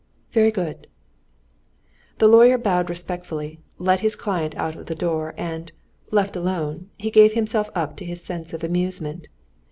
"Very good." The lawyer bowed respectfully, let his client out of the door, and, left alone, gave himself up to his sense of amusement.